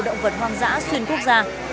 động vật hoang dã xuyên quốc gia